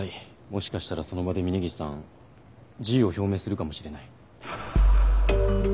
もしかしたらその場で峰岸さん辞意を表明するかもしれない。